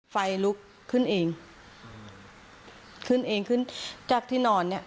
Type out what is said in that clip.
ไฟลุกขึ้นเองขึ้นเองขึ้นจากที่นอนเนี้ย